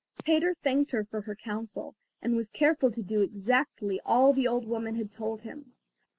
Peter thanked her for her counsel, and was careful to do exactly all the old woman had told him.